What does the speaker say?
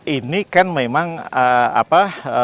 ini kan memang apa